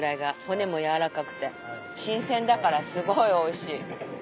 骨も軟らかくて新鮮だからすごいおいしい。